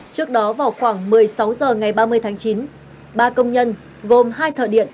trước đó vào khoảng một mươi sáu h ngày ba mươi tháng chín ba công nhân gồm hai thợ điện